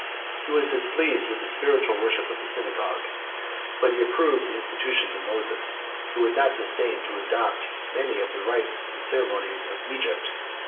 71 He was displeased with the spiritual worship of the synagogue; but he approved the institutions of Moses, who had not disdained to adopt many of the rites and ceremonies of Egypt.